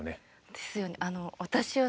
ですよね。